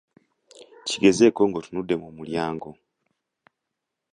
Kigezeeko ng'otunudde mu mulyango.